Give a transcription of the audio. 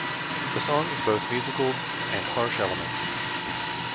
The song is both musical and harsh elements.